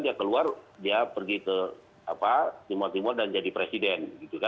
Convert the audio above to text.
dia keluar dia pergi ke timur timur dan jadi presiden